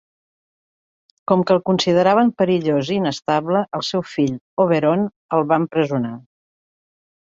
Com que el consideraven perillós i inestable, el seu fill Oberon el va empresonar.